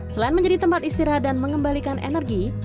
selain menjadi tempat istirahat dan mengembalikan energi